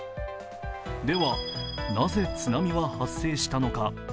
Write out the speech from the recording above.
では、なぜ津波は発生したのか。